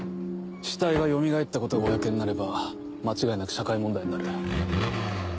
死体がよみがえったことが公になれば間違いなく社会問題になる。